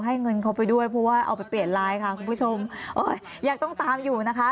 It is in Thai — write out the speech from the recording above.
เงินเขาไปด้วยเพราะว่าเอาไปเปลี่ยนไลน์ค่ะคุณผู้ชมเอ้ยยังต้องตามอยู่นะคะ